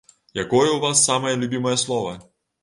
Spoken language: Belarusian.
Якое ў вас самае любімае слова?